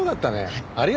はい。